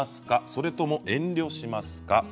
それとも遠慮しますか？